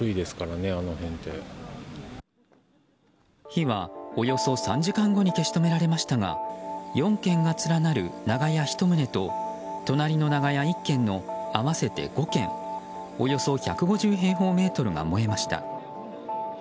火は、およそ３時間後に消し止められましたが４軒が連なる長屋１棟と隣の長屋１軒の合わせて５軒およそ１５０平方メートルが燃えました。